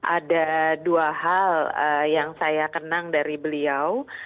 ada dua hal yang saya kenang dari beliau